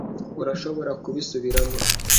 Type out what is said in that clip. Urashobora kubisubiramo